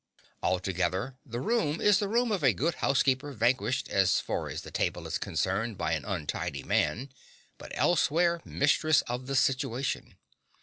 Altogether the room is the room of a good housekeeper, vanquished, as far as the table is concerned, by an untidy man, but elsewhere mistress of the situation.